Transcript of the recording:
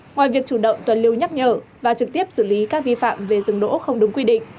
ngoài việc chủ động tuần lưu nhắc nhở và trực tiếp xử lý các vi phạm về rừng đỗ không đúng quy định